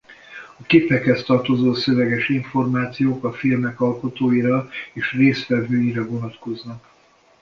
A képekhez tartozó szöveges információk a filmek alkotóira és résztvevőire vonatkoznak.